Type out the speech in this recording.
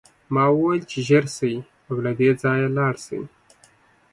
ما وویل چې ژر شئ او له دې ځایه لاړ شئ